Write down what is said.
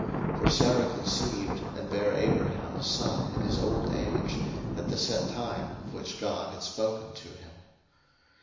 01:021:002 For Sarah conceived, and bare Abraham a son in his old age, at the set time of which God had spoken to him.